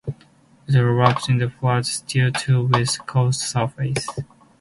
A rasp is a flat, steel tool with a coarse surface.